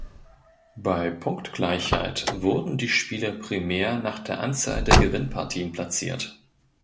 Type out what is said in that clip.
Bei Punktgleichheit wurden die Spieler primär nach der Anzahl der Gewinnpartien platziert.